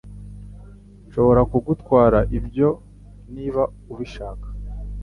Nshobora kugutwara ibyo niba ubishaka.